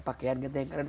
pakaian ganti yang keren